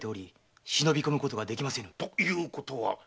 ということは！